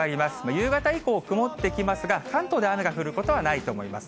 夕方以降、曇ってきますが、関東で雨が降ることはないと思います。